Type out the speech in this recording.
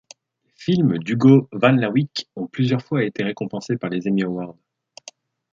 Les films d'Hugo van Lawick ont plusieurs fois été récompensés par le Emmy Award.